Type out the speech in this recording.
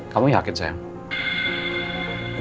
kamu yakin sayang